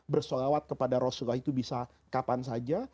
berselawat kepada rasulullah saw itu bisa kapan saja